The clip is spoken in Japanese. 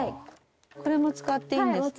これも使っていいんですか？